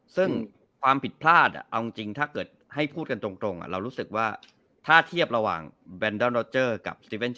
ซึ่งความผิดพลาดอะเอาจริงจริงถ้าเกิดให้พูดกันตรงอ่ะ